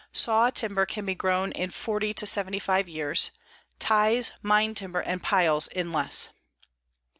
Saw timber can be grown in forty to seventy five years; ties, mine timber and piles in less.